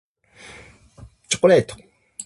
Chocolate.